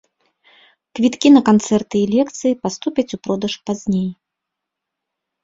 Квіткі на канцэрты і лекцыі паступяць у продаж пазней.